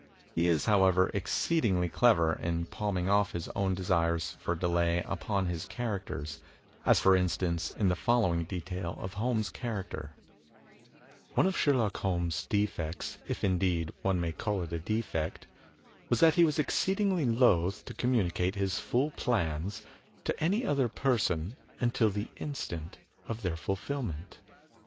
He is, however, exceedingly clever in palming off his own desires for delay upon his characters; as for instance in the following detail of Holmes' character: One of Sherlock Holmes's defects — if, indeed, one may call it a defect — was that he was exceedingly loth to communicate his full plans to any other person until the instant of their fulfillment.